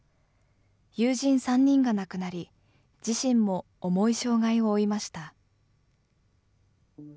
友人３人が亡くなり、自身も重い障害を負いました。